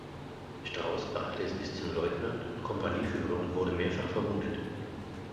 Strauß brachte es bis zum Leutnant und Kompanieführer und wurde mehrfach verwundet.